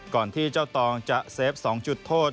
ก่อนที่เจ้าตองจะเซฟสองจุดโทษ